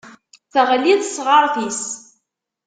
Teɣli tesɣaṛt-is.